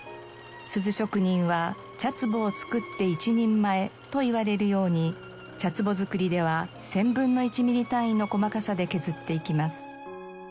錫職人は茶壺を作って一人前と言われるように茶壺作りでは１０００分の１ミリ単位の細かさで削っていきます。